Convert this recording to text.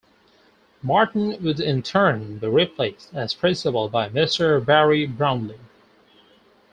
Martin would in turn be replaced as principal by Mr. Barry Brownlee.